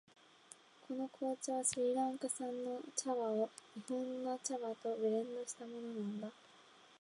この紅茶はスリランカ産の茶葉を日本の茶葉とブレンドしたものなんだ。